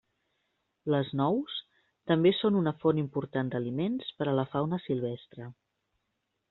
Les nous també són una font important d'aliments per a la fauna silvestre.